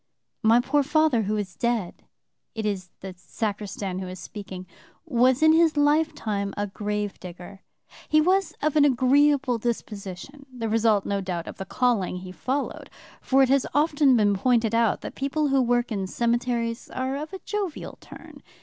"My poor father who is dead" (it is the sacristan who is speaking,) "was in his lifetime a grave digger. He was of an agreeable disposition, the result, no doubt, of the calling he followed, for it has often been pointed out that people who work in cemeteries are of a jovial turn.